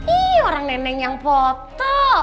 iya orang neneng yang foto